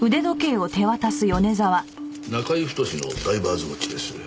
中居太のダイバーズウオッチです。